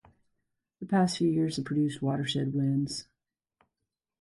The past few years have produced watershed wins.